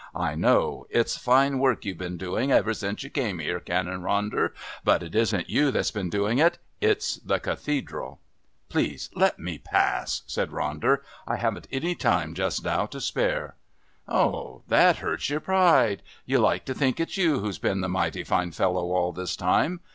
I know. It's fine work you've been doing ever since you came here, Canon Ronder. But it isn't you that's been doing it. It's the Cathedral." "Please let me pass," said Ronder. "I haven't any time just now to spare." "Ah, that hurts your pride. You like to think it's you who's been the mighty fine fellow all this time.